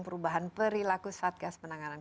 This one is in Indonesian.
perubahan perilaku saat gas penanganan